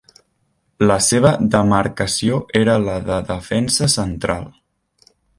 La seva demarcació era la de defensa central.